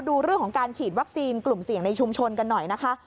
ดูเรื่องของการฉีดวัคซีนกลุ่มเสี่ยงในชุมชนกันหน่อยนะคะ